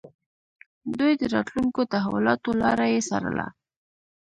دوی د راتلونکو تحولاتو لاره يې څارله.